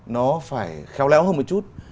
nó phải khéo léo hơn một chút